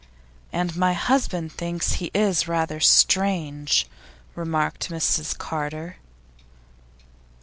'And my husband thinks he is rather strange,' remarked Mrs Carter.